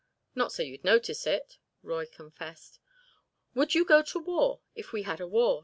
"Not so you'd notice it," Roy confessed. "Would you go to war if we had a war?"